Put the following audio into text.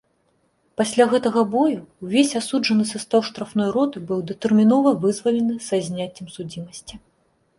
Пасля гэтага бою ўвесь асуджаны састаў штрафной роты быў датэрмінова вызвалены са зняццем судзімасці.